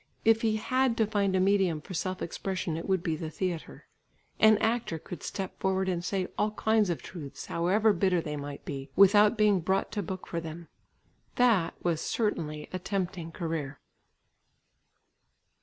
If he had to find a medium for self expression it would be the theatre. An actor could step forward, and say all kinds of truths, however bitter they might be, without being brought to book for them. That was certainly a tempting career.